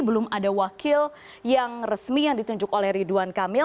belum ada wakil yang resmi yang ditunjuk oleh ridwan kamil